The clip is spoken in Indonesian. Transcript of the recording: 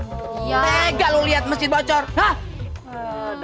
tega lu liat masjid bocor hah